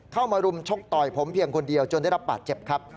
มารุมชกต่อยผมเพียงคนเดียวจนได้รับบาดเจ็บครับ